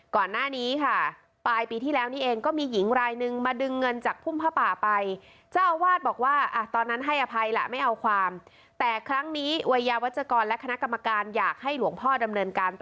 ก่อนหน้านี้ค่ะปลายปีที่แล้วนี่เองก็มีหญิงรายนึงมาดึงเงินจากพุ่มพระป่าไป